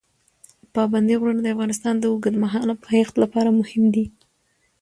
پابندي غرونه د افغانستان د اوږدمهاله پایښت لپاره مهم دي.